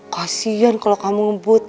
kasian kalau kamu ngebut